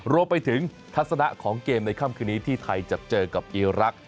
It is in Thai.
รวมไปถึงทัศนะของเกมในค่ำคืนนี้ที่ไทยจะเจอกับอีรักษ